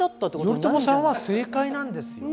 頼朝さんは正解なんですよ。